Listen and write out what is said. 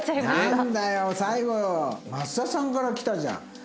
なんだよ最後益田さんから来たじゃん。